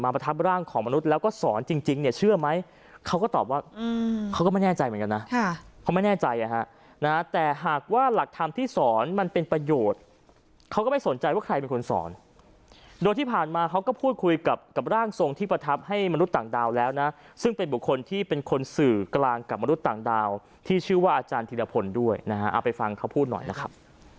ประโยชน์เขาก็ไม่สนใจว่าใครเป็นคนสอนโดยที่ผ่านมาเขาก็พูดคุยกับกับร่างทรงที่ประทับให้มนุษย์ต่างดาวแล้วนะซึ่งเป็นบุคคลที่เป็นคนสื่อกลางกับมนุษย์ต่างดาวที่ชื่อว่าอาจารย์ธีรพลด้วยนะฮะไปฟังเขาพูดหน่อยนะครับ